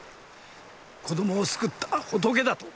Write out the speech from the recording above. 子供を救った仏だと。